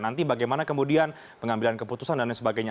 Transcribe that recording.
nanti bagaimana kemudian pengambilan keputusan dan lain sebagainya